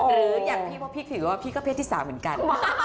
หรืออยากพี่เพียงว่าพี่ก็เพศที่สามเหมือนกัน